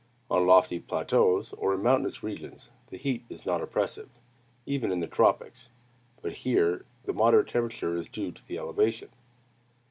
On lofty plateaus, or in mountainous regions, the heat is not oppressive, even in the tropics; but here the moderate temperature is due to the elevation.